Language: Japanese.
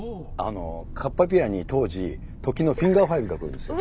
カッパピアに当時時のフィンガー５が来るんですよ。